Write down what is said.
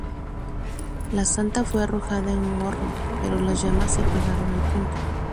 La santa fue arrojada en un horno, pero las llamas se apagaron al punto.